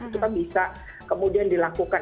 itu kan bisa kemudian dilakukan